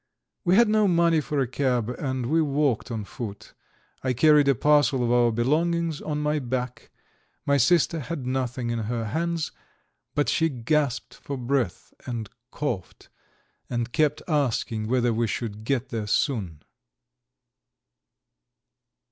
We had no money for a cab, and we walked on foot; I carried a parcel of our belongings on my back; my sister had nothing in her hands, but she gasped for breath and coughed, and kept asking whether we should get there soon.